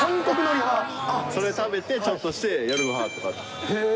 それ食べて、ちょっとして夜ごはんとか。